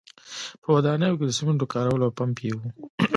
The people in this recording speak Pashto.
په ودانیو کې د سیمنټو کارول او پمپ یې و